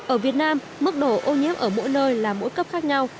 ở việt nam mức độ ô nhiễm ở mỗi nơi là mỗi cấp khác nhau